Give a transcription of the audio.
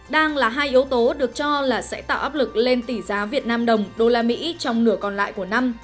đang là hai yếu tố được cho là sẽ tạo áp lực lên tỷ giá việt nam đồng đô la mỹ trong nửa còn lại của năm